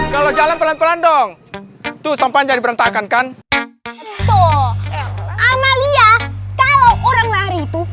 kalau jalan pelan pelan dong tuh sompan jadi berantakan kan tuh amalia kalau orang lari itu